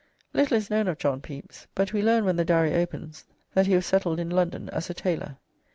Little is known of John Pepys, but we learn when the Diary opens that he was settled in London as a tailor.